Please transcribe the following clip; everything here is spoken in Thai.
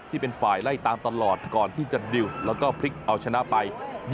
ที่เป็นฝ่ายไล่ตามตลอดก่อนที่จะดิวส์แล้วก็พลิกเอาชนะไป